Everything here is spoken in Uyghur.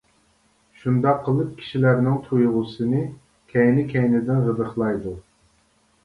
شۇنداق قىلىپ كىشىلەرنىڭ تۇيغۇسىنى كەينى-كەينىدىن غىدىقلايدۇ.